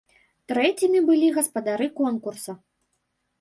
Трэцімі былі гаспадары конкурса.